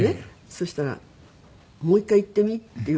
そしたら「もう１回言ってみ？」って言われたんですよ。